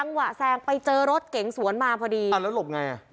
วะแซงไปเจอรถเก๋งสวนมาพอดีอ่าแล้วหลบไงอ่ะ